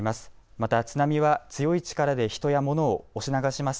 また津波は強い力で人や物を押し流します。